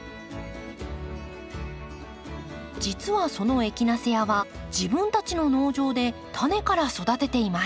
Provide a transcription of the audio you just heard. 実はそのエキナセアは自分たちの農場でタネから育てています。